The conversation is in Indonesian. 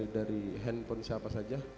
dari handphone siapa saja